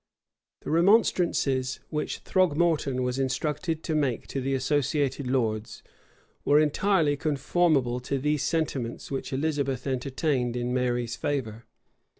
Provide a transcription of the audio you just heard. [*]* Keith, p. 411, 412, etc The remonstrances which Throgmorton was instructed to make to the associated lords, were entirely conformable to these sentiments which Elizabeth entertained in Mary's favor.